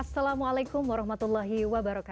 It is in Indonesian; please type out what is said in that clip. assalamualaikum wr wb